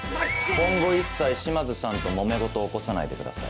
今後一切島津さんともめ事を起こさないでください。